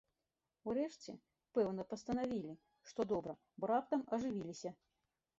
Урэшце, пэўна, пастанавілі, што добра, бо раптам ажывіліся.